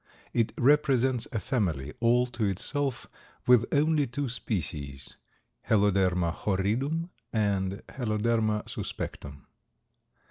It represents a family all to itself, with only two species: Heloderma horridum and Heloderma suspectum.